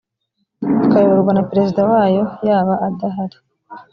ikayoborwa na perezida wayo yaba adahari